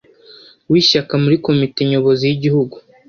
w ishyaka muri komite nyobozi y igihugu